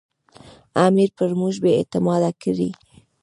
امیر پر موږ بې اعتماده کړي.